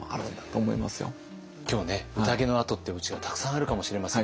今日うたげのあとっていうおうちがたくさんあるかもしれません。